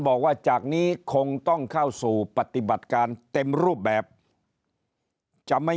บอกว่าจากนี้คงต้องเข้าสู่ปฏิบัติการเต็มรูปแบบจะไม่